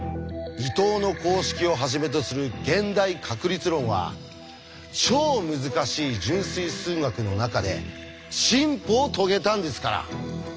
伊藤の公式をはじめとする現代確率論は超難しい純粋数学の中で進歩を遂げたんですから。